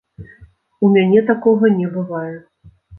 У мяне такога не бывае.